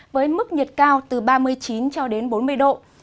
với mức nhiệt cao từ ba mươi chín cho đến bốn mươi độ